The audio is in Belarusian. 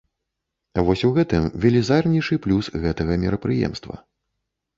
Вось у гэтым велізарнейшы плюс гэтага мерапрыемства.